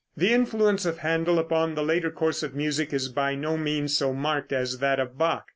The influence of Händel upon the later course of music is by no means so marked as that of Bach.